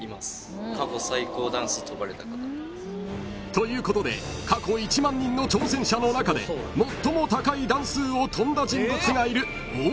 ［ということで過去１万人の挑戦者の中で最も高い段数を跳んだ人物がいる］